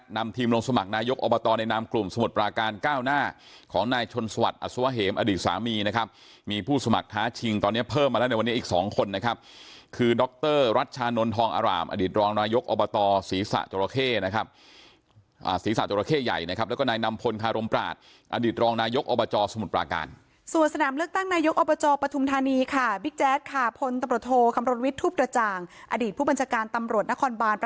นำทีมลงสมัครนายกอบตในนามกลุ่มสมุดปราการ